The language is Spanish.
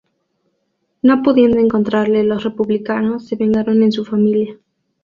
No pudiendo encontrarle los republicanos, se vengaron en su familia.